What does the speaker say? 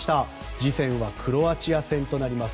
次戦はクロアチア戦となります。